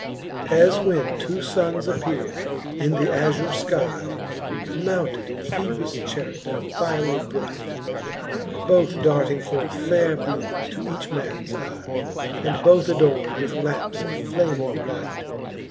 XIX. As when two funnes appeare in th' azure skyc, Mounted in Phosbus charet fierie bright, Both darting forth faire beames to each mans eye, And both adorn'd with lampes of flaming light.